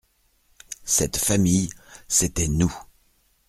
Cette famille, c'était nous.